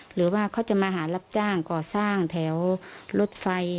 หรือว่าเขาจะมาหารับจ้างก่อสร้างแถวรถไฟ